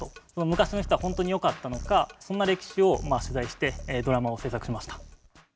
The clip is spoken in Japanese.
昔の人は本当によかったのかそんな歴史を取材してドラマを制作しました。